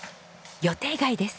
予定外です。